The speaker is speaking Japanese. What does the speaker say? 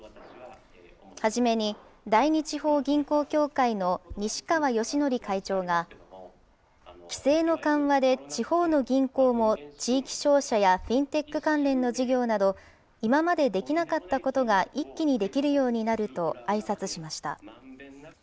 初めに第二地方銀行協会の西川義教会長が、規制の緩和で地方の銀行も地域商社やフィンテック関連の事業など、今までできなかったことが一気にできるようになるとあいさつしました。